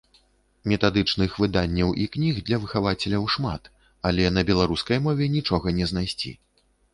Метадычных выданняў і кніг для выхавацеляў шмат, але на беларускай мове нічога не знайсці.